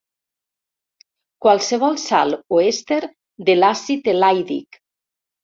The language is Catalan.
Qualsevol sal o èster de l'àcid elaídic.